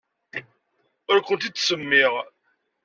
Ur kent-id-ttsemmiɣ.